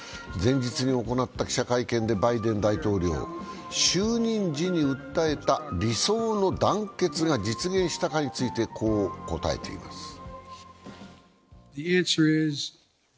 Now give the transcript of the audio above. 前日に行った記者会見でバイデン大統領、就任時に訴えた理想の団結が実現したかについて、こう答えています。